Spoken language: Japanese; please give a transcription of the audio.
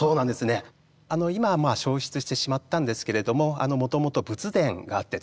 今焼失してしまったんですけれどももともと仏殿があってですね